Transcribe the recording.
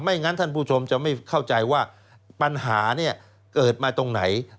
งั้นท่านผู้ชมจะไม่เข้าใจว่าปัญหาเนี่ยเกิดมาตรงไหน